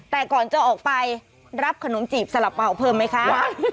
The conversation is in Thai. แต่ก่อนจะออกไปรับขนมจีบสละเป๋าเพิ่มไหมคะ